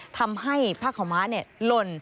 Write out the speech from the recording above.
ทำให้ผ้าขาวม้าหล่น